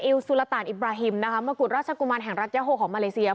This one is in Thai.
อิลสุรตานอิบราฮิมมากุฎราชกุมันแห่งรัชโฮของมาเลเซีย